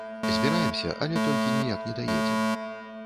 Збіраемся, але толькі ніяк не даедзем.